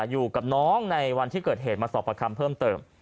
อยู่กับน้องในวันที่เกิดเหตุมาสอบประคำเพิ่มเติม